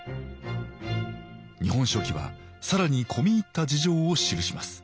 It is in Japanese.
「日本書紀」は更に込み入った事情を記します。